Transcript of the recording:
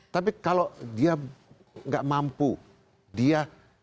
tapi kalau dia nggak mampu dia